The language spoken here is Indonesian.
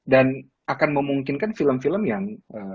dan akan memungkinkan film film yang